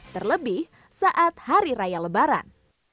terlebih saat hari raya lebaran